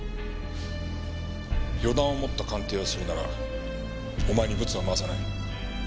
予断を持った鑑定をするならお前にブツは回さない。